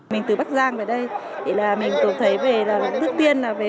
mình từ bắc giang về đây mình tổ chức về lúc trước tiên là về